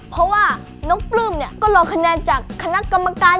เพราะว่าน้องปลื้มเนี่ยก็รอคะแนนจากคณะกรรมการ